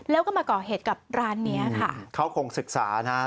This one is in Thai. แล้วก็มาก่อเหตุกับร้านเนี้ยค่ะเขาคงศึกษานะ